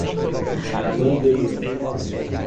Bandeira